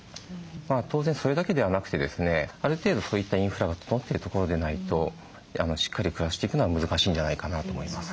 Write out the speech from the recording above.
当然それだけではなくてですねある程度そういったインフラが整ってる所でないとしっかり暮らしていくのは難しいんじゃないかなと思います。